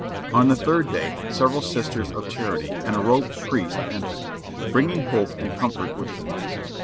On the third day several Sisters of Charity and a robed priest entered, bringing hope and comfort with them.